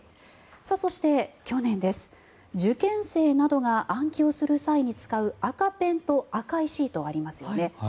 そして、去年受験生などが暗記をする際に使う赤ペンと赤いシートがありますよね。